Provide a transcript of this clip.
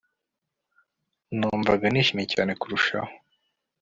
numvaga nishimye cyane kurushaho